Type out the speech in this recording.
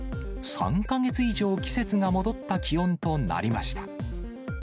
３か月以上、季節が戻った気温となりました。